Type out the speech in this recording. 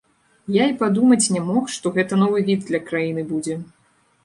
Я і падумаць не мог, што гэта новы від для краіны будзе.